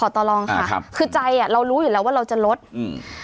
ต่อรองค่ะครับคือใจอ่ะเรารู้อยู่แล้วว่าเราจะลดอืม